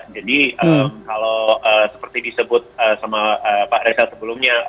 jadi kalau seperti disebut sama pak reza sebelumnya